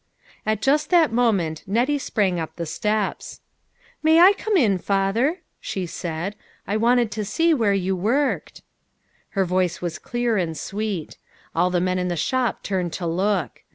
At just that moment Nettie sprang up the steps. "May I come in, father?" she said; U I wanted to see where you worked." Her voice was clear and sweet. All the men in the shop turned to look.